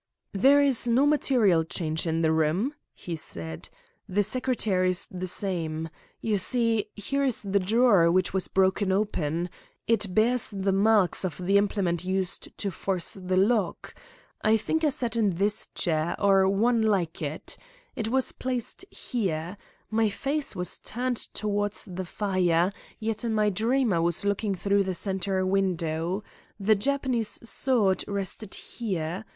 "There is no material change in the room," he said. "The secretaire is the same. You see, here is the drawer which was broken open. It bears the marks of the implement used to force the lock. I think I sat in this chair, or one like it. It was placed here. My face was turned towards the fire, yet in my dream I was looking through the centre window. The Japanese sword rested here.